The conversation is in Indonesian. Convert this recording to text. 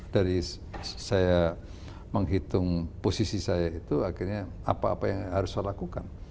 dari saya menghitung posisi saya itu akhirnya apa apa yang harus saya lakukan